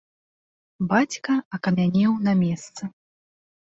Бацька акамянеў на месцы.